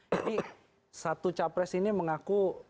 satu capres ini mengaku